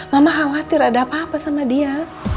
mama khawatir ada apa apa sama dia